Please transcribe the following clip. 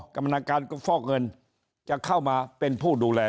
กรรมนาการก็ฟอกเงินจะเข้ามาเป็นผู้ดูแล